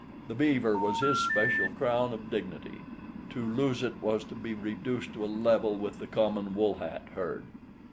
The beaver was his special crown of dignity. To lose it was to be reduced to a level with the common woolhat herd.